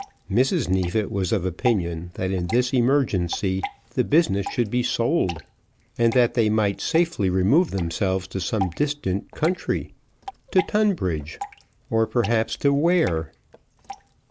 Mrs. Neefit was of opinion that in this emergency the business should be sold, and that they might safely remove themselves to some distant country, to Tunbridge, or perhaps to Ware.